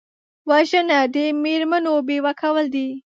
وژنه د مېرمنو بیوه کول دي